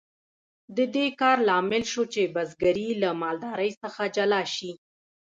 د دې کار لامل شو چې بزګري له مالدارۍ څخه جلا شي.